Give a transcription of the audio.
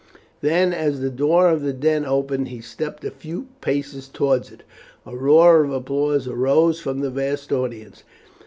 Then as the door of the den opened he stepped a few paces towards it. A roar of applause rose from the vast audience.